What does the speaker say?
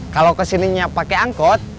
kalau kesininya pakai angkot